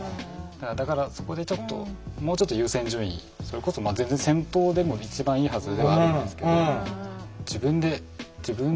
だからそこでもうちょっと優先順位それこそ全然先頭でも一番いいはずではあるんですけど。